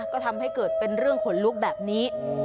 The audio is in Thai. ก็ทำให้เกิดเป็นเรื่องขนลุกแบบนี้